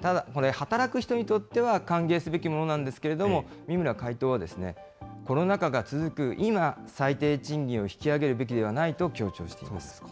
ただこれ、働く人にとっては歓迎すべきものなんですけれども、三村会頭は、コロナ禍が続く今、最低賃金を引き上げるべきではないと強調しています。